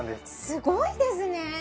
すごいですね！